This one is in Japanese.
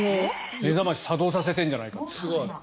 目覚まし作動させているんじゃないかって。